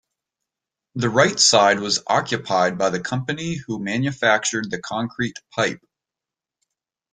The right side was occupied by the company who manufactured the concrete pipe.